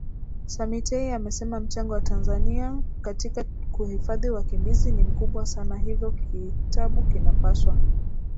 Samitei amesema mchango wa Tanzania katika kuhifadhi wakimbizi ni mkubwa sana hivyo kitabu kinapaswa